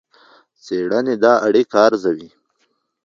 څېړنې دا اړیکه ارزوي.